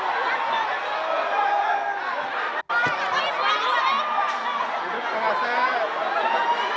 dan juga melihat status gc atau justice collaboration